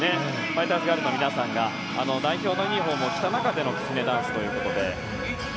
ファイターズガールの皆さんが代表のユニホームを着た中でのきつねダンスということで。